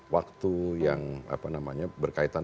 waktu yang berkaitan